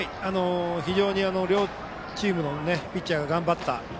非常に両チームのピッチャーが頑張った。